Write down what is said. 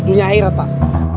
dunia airat pak